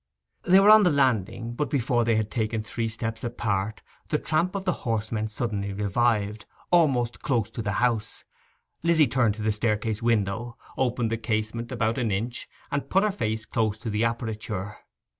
They were on the landing, but before they had taken three steps apart, the tramp of the horsemen suddenly revived, almost close to the house. Lizzy turned to the staircase window, opened the casement about an inch, and put her face close to the aperture.